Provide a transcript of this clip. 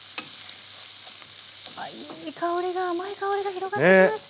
ああいい香りが甘い香りが広がってきました。